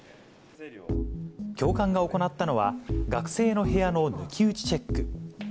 教官が行ったのは、学生の部屋の抜き打ちチェック。